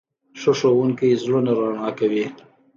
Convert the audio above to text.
ښه ښوونکی زړونه رڼا کوي.